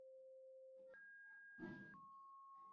耶律只没是第三子。